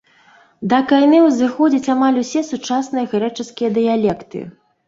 Да кайнэ ўзыходзяць амаль усе сучасныя грэчаскія дыялекты.